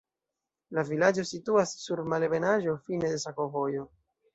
La vilaĝo situas sur malebenaĵo, fine de sakovojo.